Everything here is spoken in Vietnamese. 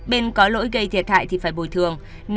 bên có lỗi gây thiệt hại thì phải bồi thường